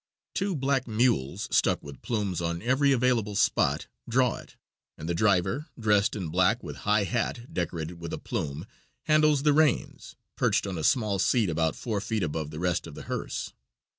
Two black mules, stuck with plumes on every available spot, draw it, and the driver, dressed in black with high hat decorated with a plume, handles the reins, perched on a small seat about four feet above the rest of the hearse.